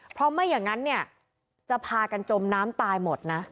เพราะไม่อย่างนั้นเนี่ยจะพากันจมน้ำตายหมดนะ